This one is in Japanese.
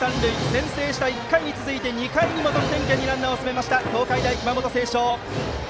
先制した１回に続いて２回も得点圏にランナーを進めた東海大熊本星翔。